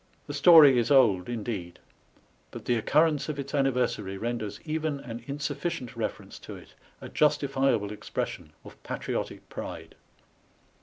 Sll The story is old indeed, but the occurrence of its anniversary renders even an insufficient reference to it a justifiable expression of patriotic pride.